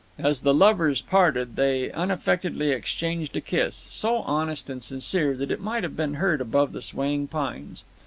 As the lovers parted, they unaffectedly exchanged a kiss, so honest and sincere that it might have been heard above the swaying pines.